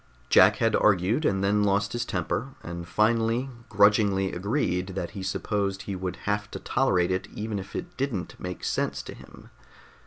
Jack had argued, and then lost his temper, and finally grudgingly agreed that he supposed he would have to tolerate it even if it didn't make sense to him.